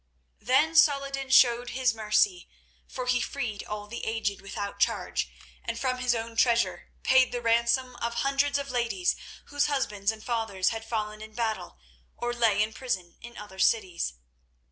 Then Saladin showed his mercy, for he freed all the aged without charge, and from his own treasure paid the ransom of hundreds of ladies whose husbands and fathers had fallen in battle, or lay in prison in other cities.